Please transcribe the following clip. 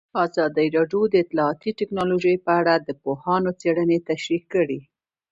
ازادي راډیو د اطلاعاتی تکنالوژي په اړه د پوهانو څېړنې تشریح کړې.